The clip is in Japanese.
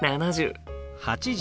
「８０」。